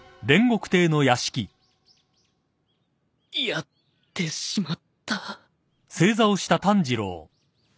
やってしまった